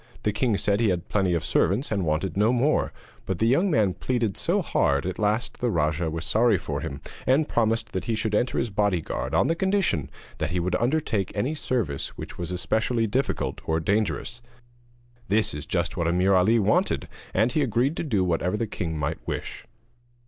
The king said he had plenty of servants and wanted no more; but the young man pleaded so hard that at last the rajah was sorry for him, and promised that he should enter his bodyguard on the condition that he would undertake any service which was especially difficult or dangerous. This was just what Ameer Ali wanted, and he agreed to do whatever the king might wish.